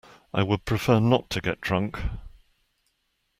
I would prefer not to get drunk.